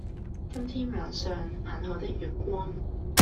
今天晚上，很好的月光。